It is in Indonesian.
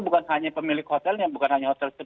bukan hanya pemilik hotelnya bukan hanya hotel